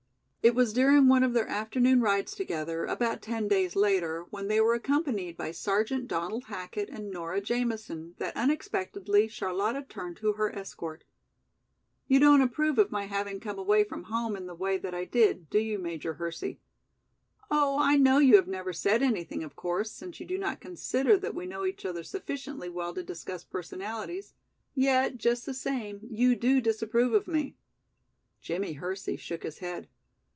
It was during one of their afternoon rides together, about ten days later, when they were accompanied by Sergeant Donald Hackett and Nora Jamison, that unexpectedly Charlotta turned to her escort. "You don't approve of my having come away from home in the way that I did, do you, Major Hersey? Oh, I know you have never said anything of course, since you do not consider that we know each other sufficiently well to discuss personalities, yet just the same you do disapprove of me." Jimmie Hersey shook his head.